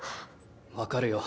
分かるよ。